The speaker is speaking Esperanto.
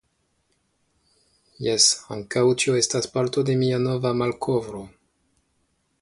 Jes, ankaŭ tio estas parto de mia nova malkovro.